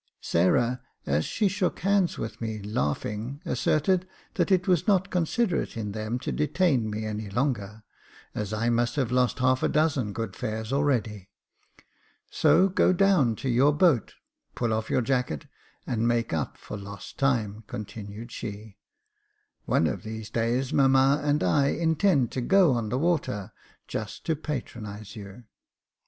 Sarah, as she shook hands with me, laughing, asserted that it was not 340 Jacob Faithful considerate in them to detain me any longer, as I must have lost half a dozen good fares already ;" So go down to your boat, pull off your jacket, and make up for lost time," continued she ;" one of these days, mamma and I intend to go on the water, just to patronise you."